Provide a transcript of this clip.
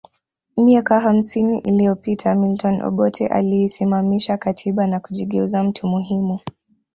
Miaka hamsini iliyopita Milton Obote aliisimamisha katiba na kujigeuza mtu muhimu